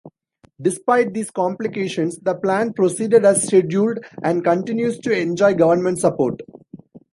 Despite these complications, the plant proceeded as scheduled and continues to enjoy government support.